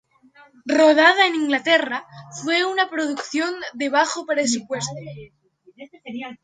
Rodada en Inglaterra, fue una producción de bajo presupuesto.